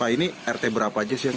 ini rt berapa aja sih yang